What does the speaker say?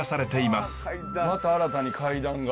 また新たに階段が。